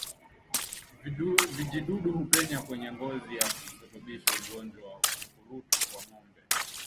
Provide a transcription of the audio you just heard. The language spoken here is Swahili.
Vijidudu hupenya kwenye ngozi na kusababisha ugonjwa wa ukurutu kwa ngombe